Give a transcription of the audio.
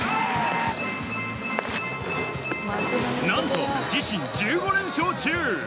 何と自身１５連勝中。